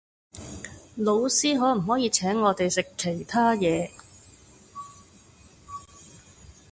老闆可唔可以請我食其他野